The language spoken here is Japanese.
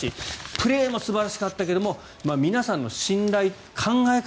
プレーも素晴らしかったけど皆さんの信頼、考え方